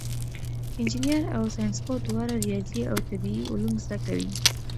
انجینر او ساینسپوه دواړه ریاضي او طبیعي علوم زده کوي.